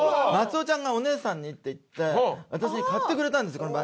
松尾ちゃんがお姉さんにって言って私に買ってくれたんですよ。